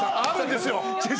あるんですよ。